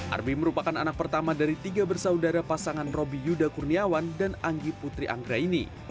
arbi merupakan anak pertama dari tiga bersaudara pasangan robby yuda kurniawan dan anggi putri anggraini